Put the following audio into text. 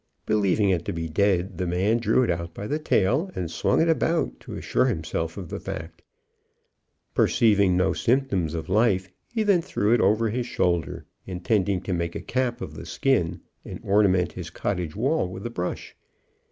Believing it to be dead, the man drew it out by the tail, and swung it about to assure himself of the fact. Perceiving no symptoms of life, he then threw it over his shoulder, intending to make a cap of the skin, and ornament his cottage wall with the brush.